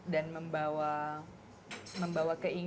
dan membawa membawa keinginan untuk membuat orang lebih suka